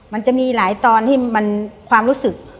มันจะมีหลายตอนที่มันความรู้สึก